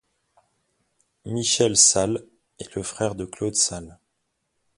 Michel Sales est le frère de Claude Sales.